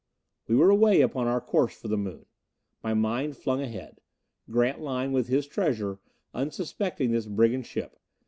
We were away upon our course for the Moon. My mind flung ahead. Grantline with his treasure, unsuspecting this brigand ship.